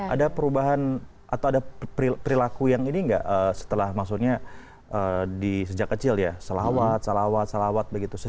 ada perubahan atau ada perilaku yang ini nggak setelah maksudnya di sejak kecil ya salawat salawat salawat begitu